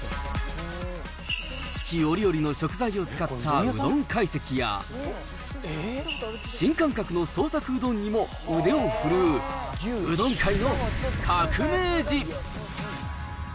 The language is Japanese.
四季折々の食材を使ったうどん懐石や、新感覚の創作うどんにも腕を振るう、うどん界の革命児。